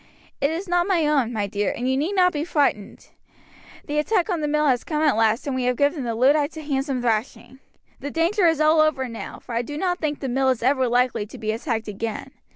"It is not my own, my dear, and you need not be frightened. The attack on the mill has come at last and we have given the Luddites a handsome thrashing. The danger is all over now, for I do not think the mill is ever likely to be attacked again.